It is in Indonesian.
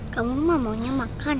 kamu mah maunya makan